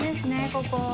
ここ。